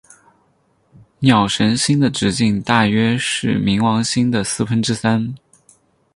鸟神星的直径大约是冥王星的四分之三。